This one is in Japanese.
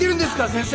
先生。